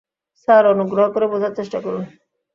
Sir, অনুগ্রহ করে বোঝার চেষ্টা করুন।